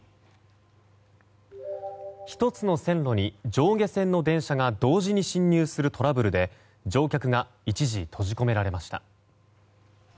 １つの線路に上下線の電車が同時に進入するトラブルで乗客が一時閉じ込められました。